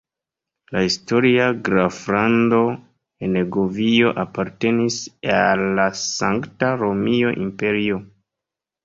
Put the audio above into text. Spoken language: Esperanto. La historia graflando Henegovio apartenis al la Sankta Romia Imperio.